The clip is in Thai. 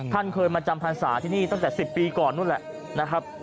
เคยมาจำพรรษาที่นี่ตั้งแต่๑๐ปีก่อนนู่นแหละนะครับ